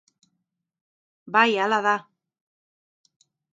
Bai, hala da.